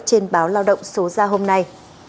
trên báo lao động số ra hôm nay